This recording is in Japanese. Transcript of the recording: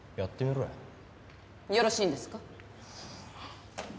よろしいんですか？